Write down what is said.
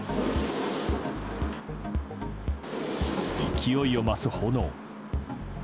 勢いを増す炎。